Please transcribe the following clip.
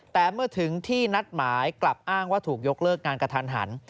แต่เมื่อถึงที่นัดหมายกลับอ้างว่าถูกยกเลิกงานกระทันหัน